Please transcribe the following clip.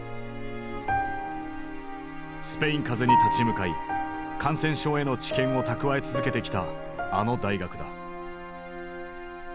スペイン風邪に立ち向かい感染症への知見を蓄え続けてきたあの大学だ。